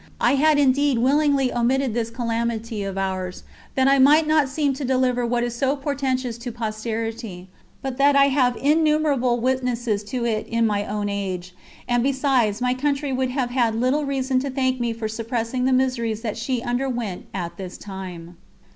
I had indeed willingly omitted this calamity of ours, that I might not seem to deliver what is so portentous to posterity, but that I have innumerable witnesses to it in my own age; and besides, my country would have had little reason to thank me for suppressing the miseries that she underwent at this time.